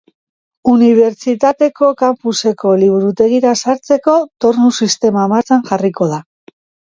Unibertistateko campuseko Liburutegira sartzeko tornu sistema martxan jarriko da.